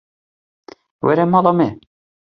Were mala me.